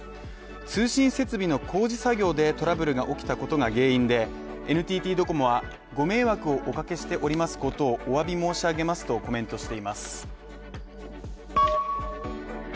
通信設備の工事作業でトラブルが起きたことが原因でＮＴＴドコモはご迷惑をおかけしたことをおわび申し上げますとコメントしています。